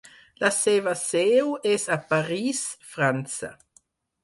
La seva seu és a París, França.